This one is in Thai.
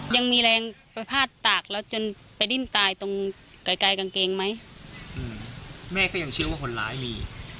ยังมีแรงไปพาดตากเราจนไปดิ้นตายตรงไกลไกลกางเกงไหมแม่ก็ยังเชื่อว่าคนร้ายมี